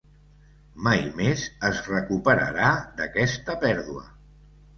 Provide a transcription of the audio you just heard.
Mai més es recuperarà d’aquesta pèrdua.